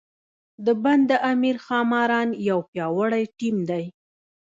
د بند امیر ښاماران یو پیاوړی ټیم دی.